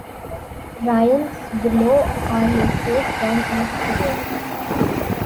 Raions below are listed from east to west.